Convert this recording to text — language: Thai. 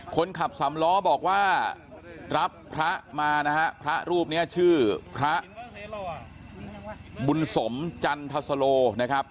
คนขับสำล้อบอกว่ารับพระมานะฮะพระรูปนี้ชื่อพระบุญสมจันทสโลนะครับ